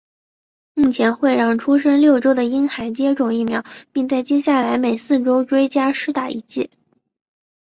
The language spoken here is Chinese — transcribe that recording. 目前会让出生六周的婴孩接种疫苗并在接下来每四周追加施打一剂。